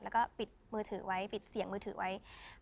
แล้วก็ปิดมือถือไว้ปิดเสียงมือถือไว้